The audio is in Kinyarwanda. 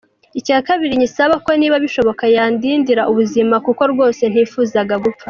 Icya kabiri nyisaba ko niba bishoboka yandindira ubuzima kuko rwose ntifuzaga gupfa.